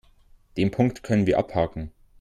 Den Punkt können wir abhaken.